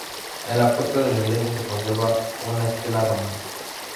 En la puerta de la iglesia se conserva una estela romana.